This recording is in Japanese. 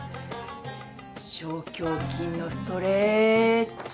小胸筋のストレッチ。